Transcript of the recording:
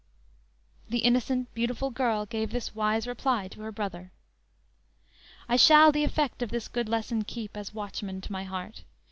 "_ This innocent, beautiful girl gave this wise reply to her brother: _"I shall the effect of this good lesson keep, As watchman to my heart.